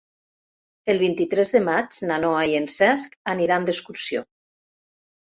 El vint-i-tres de maig na Noa i en Cesc aniran d'excursió.